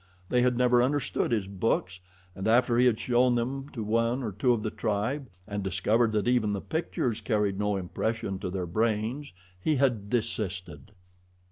They had never understood his books, and after he had shown them to one or two of the tribe and discovered that even the pictures carried no impression to their brains, he had desisted.